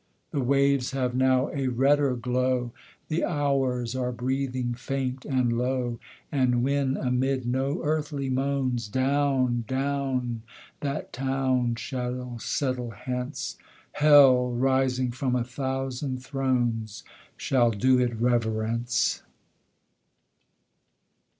The waves have now a redder glow The hours are breathing faint and low And when, amid no earthly moans, Down, down that town shall settle hence, Hell, rising from a thousand thrones, Shall do it reverence.